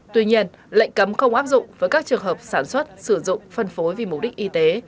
tuy nhiên lệnh cấm không áp dụng với các trường hợp sản xuất sử dụng phân phối vì mục đích y tế